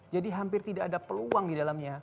hampir tidak ada peluang di dalamnya